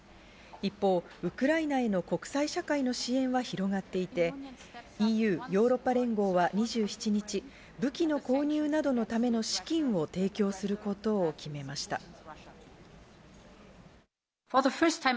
一方、ウクライナへの国際社会の支援は広がっていて、ＥＵ＝ヨーロッパ連合は２７日、武器の購入などのための資金を提供することを決めました。